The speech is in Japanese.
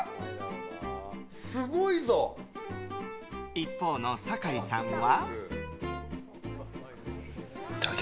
一方の酒井さんは。